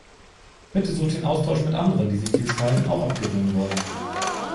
Bitte such den Austausch mit anderen, die sich dieses Verhalten auch abgewöhnen wollen.